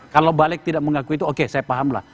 kalau balik tidak mengakui itu oke saya pahamlah